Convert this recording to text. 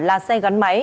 là xe gắn máy